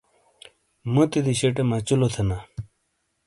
موتی دیشٹے مچلو تھینا۔